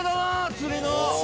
釣りの。